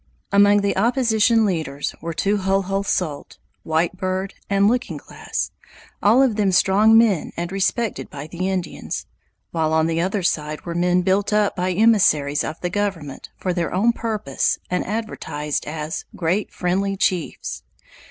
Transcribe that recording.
Among the opposition leaders were Too hul hul sote, White Bird, and Looking Glass, all of them strong men and respected by the Indians; while on the other side were men built up by emissaries of the government for their own purposes and advertised as "great friendly chiefs."